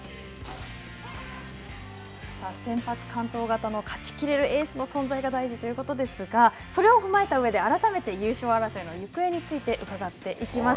先発完投型の勝ちきれるエースの存在が大事ということですが、それを踏まえたうえで、改めて優勝争いの行方について伺っていきます。